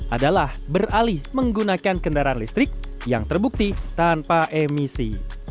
adalah beralih menggunakan kendaraan listrik yang terbukti tanpa emisi